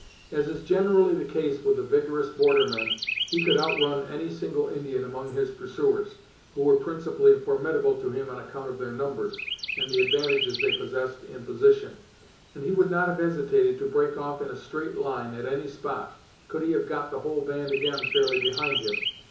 As is generally the case with the vigorous border men, he could outrun any single Indian among his pursuers, who were principally formidable to him on account of their numbers, and the advantages they possessed in position, and he would not have hesitated to break off in a straight line at any spot, could he have got the whole band again fairly behind him.